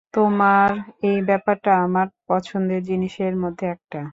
তোমার এই ব্যাপারটা আমার পছন্দের জিনিসের মধ্যে একটা।